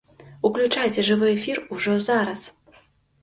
Уключайце жывы эфір ужо зараз!